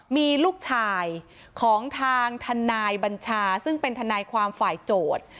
มีลูกชายของทางทนายบัญชาซึ่งเป็นทนายความฝ่ายโจทย์